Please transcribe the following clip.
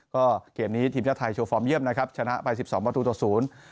ก็เกมนี้ทีมชาติไทยโชว์ฟอร์มเยี่ยมนะครับชนะไปสิบสองประตูต่อศูนย์